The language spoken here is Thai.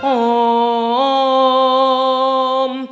โอ้ม